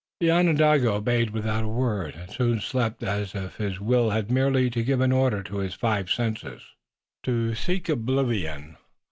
The Onondaga obeyed without a word, and soon slept as if his will had merely to give an order to his five senses to seek oblivion.